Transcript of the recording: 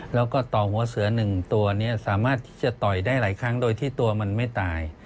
แล้วก็ต่อหัวเสือหนึ่งตัวนี้สามารถที่จะต่อยได้หลายครั้งโดยที่ตัวมันไม่ตาย